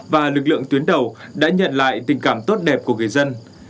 và lực lượng tuyến đầu đã nhận lại tình cảm tốt đẹp của người dân